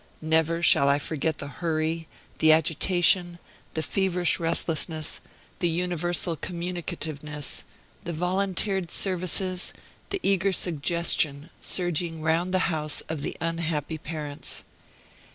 Never shall I forget the hurry, the agitation, the feverish restlessness, the universal communicativeness, the volunteered services, the eager suggestion, surging round the house of the unhappy parents.